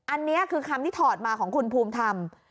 อันนี้คือคำที่ถอดมาของคุณภูมิธรรม